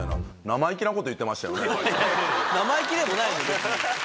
生意気でもない別に。